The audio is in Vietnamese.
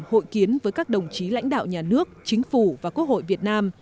hội kiến với các đồng chí lãnh đạo nhà nước chính phủ và quốc hội việt nam